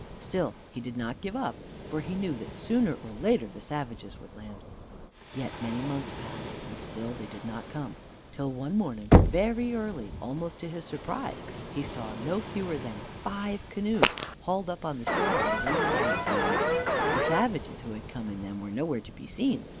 Still he did not give up, for he knew that sooner or later the savages would land again. Yet many months passed, and still they did not come, till one morning, very early, almost to his surprise, he saw no fewer than five canoes hauled up on the shore on his own side of the island. The savages who had come in them were nowhere to be seen.